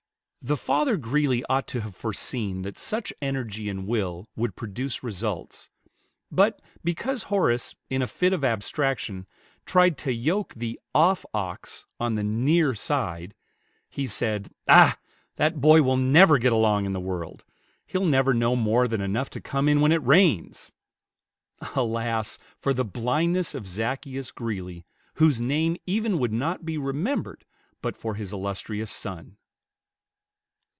The father Greeley ought to have foreseen that such energy and will would produce results; but because Horace, in a fit of abstraction, tried to yoke the "off" ox on the "near" side, he said, "Ah! that boy will never get along in the world. He'll never know more than enough to come in when it rains." Alas! for the blindness of Zaccheus Greeley, whose name even would not be remembered but for his illustrious son.